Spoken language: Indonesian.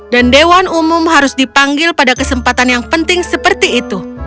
dan dewan umum harus dipanggil pada kesempatan yang penting seperti itu